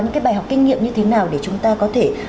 những cái bài học kinh nghiệm như thế nào để chúng ta có thể